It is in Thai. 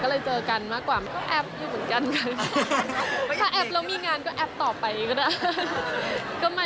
ก็เลยเจอกันมากกว่าก็แอบอยู่เหมือนกันก็แอบเรามีงานก็แอบต่อไปก็ได้